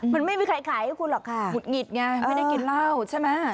มันไม่มีใครขายให้คุณหรอกค่ะหงุดหงิดไงไม่ได้กินเหล้าใช่ไหม